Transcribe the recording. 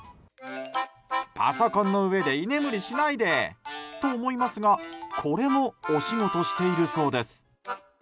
パソコンの上で居眠りしないで！と思いますがこれもお仕事しているそうです。